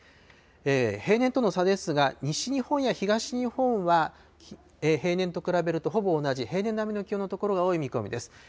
平年との差ですが、西日本や東日本は、平年と比べるとほぼ同じ、平年並みの気温の所が多い見込みです。